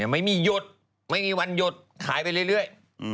ไม่มีหยุดไม่มีวันหยุดขายไปเรื่อย